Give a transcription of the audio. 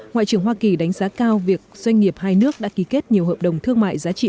ngoại trưởng hoa kỳ đánh giá cao việc doanh nghiệp hai nước đã ký kết nhiều hợp đồng thương mại giá trị